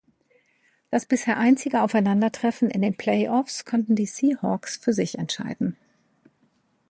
Das bisher einzige Aufeinandertreffen in den Play-offs konnten die Seahawks für sich entscheiden.